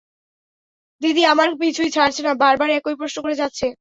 দিদি আমার পিছুই ছাড়ছে না, বার বার একই প্রশ্ন করে যাচ্ছে।